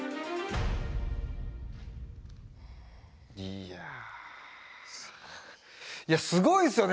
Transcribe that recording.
いやいやすごいですよね